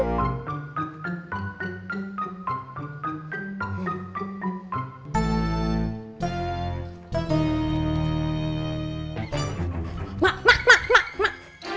mak mak mak mak mak